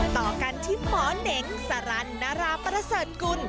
ต่อกันที่หมอเน้งสรรานนาราปราศกุล